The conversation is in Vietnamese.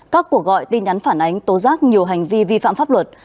các cuộc gọi tin nhắn phản ánh tố giác nhiều hành vi vi phạm pháp luật